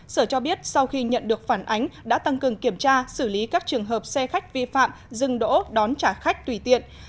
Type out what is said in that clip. sở cho biết sau khi nhận được phản ánh đã tăng cường kiểm tra xử lý các trường hợp xe khách vi phạm dừng đỗ đón trả khách tùy tiện